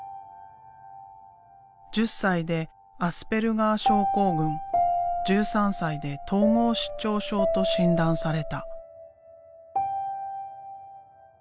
１０歳でアスペルガー症候群１３歳で統合失調症と診断された。